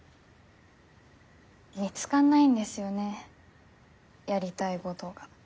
見つかんないんですよねやりたいごどが。